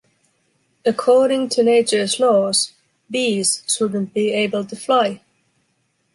According to natures laws, bees shouldn’t be able to fly.